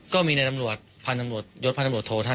ก็มีหัวใจภัยได้ต้องการพาทางจอด๑ปี